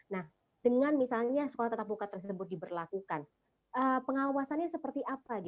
nah dengan misalnya sekolah tetap muka tersebut diberlakukan pengawasannya seperti apa